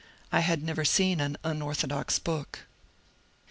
I had never seen an unorthodox book.